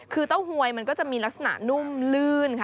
คือเต้าหวยมันก็จะมีลักษณะนุ่มลื่นค่ะ